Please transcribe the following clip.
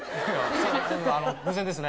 あの偶然ですね